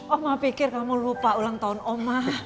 om ma pikir kamu lupa ulang tahun om ma